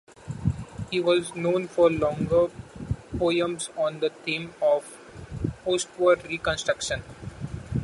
He was known for longer poems on the theme of postwar reconstruction.